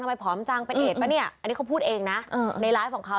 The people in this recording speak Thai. ผอมจังเป็นเอดปะเนี่ยอันนี้เขาพูดเองนะในไลฟ์ของเขา